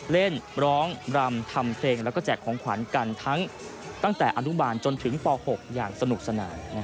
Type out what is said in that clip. เล่นร้องรำทำเพลงแล้วก็แจกของขวัญกันทั้งตั้งแต่อนุบาลจนถึงป๖อย่างสนุกสนาน